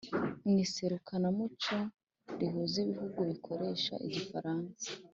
mu iserukiramuco rihuza ibihugu bikoresha igifaransa